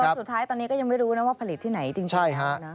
สรุปตอนสุดท้ายตอนนี้ก็ยังไม่รู้นะว่าผลิตที่ไหนจริงนะครับ